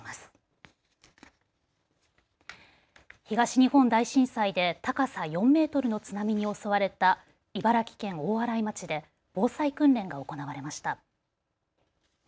東日本大震災で高さ４メートルの津波に襲われた茨城県大洗町で防災訓練が行われました。